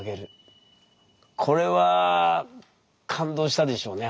これは感動したでしょうね